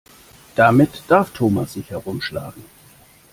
Damit darf Thomas sich herumschlagen.